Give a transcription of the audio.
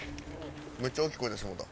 めっちゃ大きい声出してもうた。